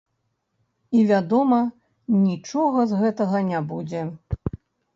І, вядома, нічога з гэтага не будзе.